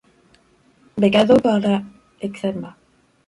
Becado por la Excma.